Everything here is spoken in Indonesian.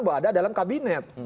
bahwa ada dalam kabinet